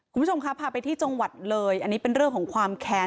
คุณผู้ชมครับพาไปที่จังหวัดเลยอันนี้เป็นเรื่องของความแค้น